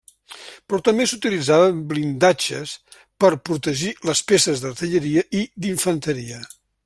Però també s'utilitzava blindatges per protegir les peces d'artilleria i d'infanteria.